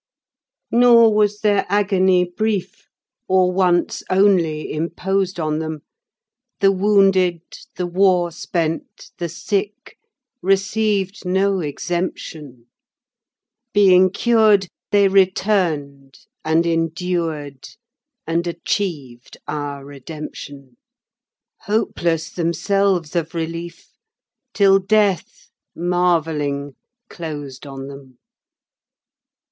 Nor was their agony brief, or once only imposed on them. The wounded, the war spent, the sick received no exemption: Being cured they returned and endured and achieved our redemption, Hopeless themselves of relief, till Death, marvelling, closed on them.